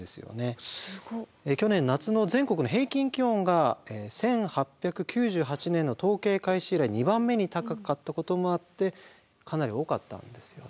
去年夏の全国の平均気温が１８９８年の統計開始以来２番目に高かったこともあってかなり多かったんですよね。